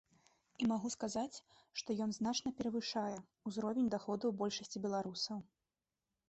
І магу сказаць, што ён значна перавышае ўзровень даходаў большасці беларусаў.